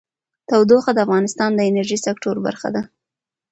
تودوخه د افغانستان د انرژۍ سکتور برخه ده.